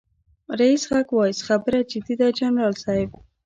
ريس غږ واېست خبره جدي ده جنرال صيب.